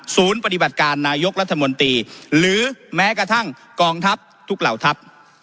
ปฏิบัติการนายกรัฐมนตรีหรือแม้กระทั่งกองทัพทุกเหล่าทัพ